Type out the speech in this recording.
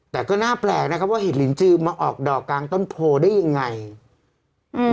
แต่ก็น่าแปลกนะครับว่าเห็ดลินจือมาออกดอกกลางต้นโพได้ยังไงอืม